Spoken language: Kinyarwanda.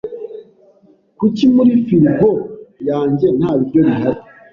Kuki muri firigo yanjye nta biryo bihari?